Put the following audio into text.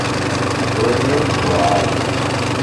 Ur ten-id-qeḍḍɛeɣ.